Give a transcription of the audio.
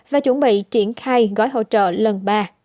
và chuẩn bị triển khai gói hỗ trợ lần ba